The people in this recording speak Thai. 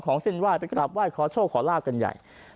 เส้นไหว้ไปกราบไหว้ขอโชคขอลาบกันใหญ่